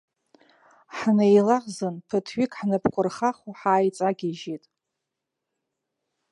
Ҳнеилаӷзын, ԥыҭҩык ҳнапқәа рхахо ҳааиҵагьежьит.